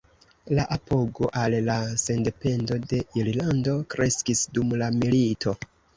La apogo al la sendependo de Irlando kreskis dum la milito.